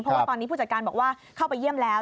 เพราะว่าตอนนี้ผู้จัดการบอกว่าเข้าไปเยี่ยมแล้ว